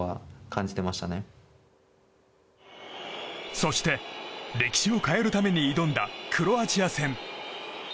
そして、歴史を変えるために挑んだクロアチア戦。